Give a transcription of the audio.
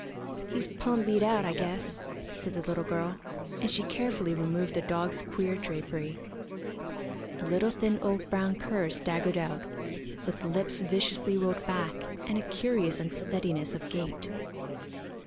"He's plumb beat out, I guess," said the little girl, and she carefully removed the dog's queer drapery. A little, thin, old, brown cur staggered out, with lips viciously rolled back, and a curious unsteadiness of gait.